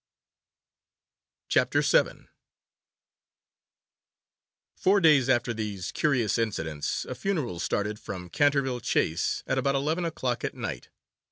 CHAPTER VII FOUR days after these curious incidents a funeral started from Canterville Chase at about eleven o'clock at night.